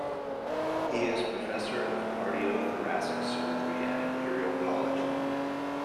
He is Professor of Cardiothoracic Surgery at Imperial College London.